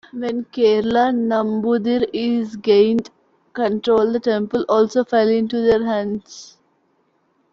When Kerala Nambudiris gained control, the temple also fell into their hands.